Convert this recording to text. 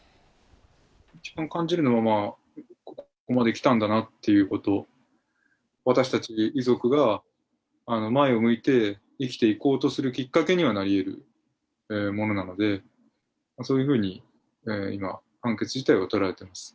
一番感じるのは、ここまできたんだなっていうこと、私たち遺族が前を向いて生きていこうとするきっかけにはなりえるものなので、そういうふうに今、判決自体を捉えています。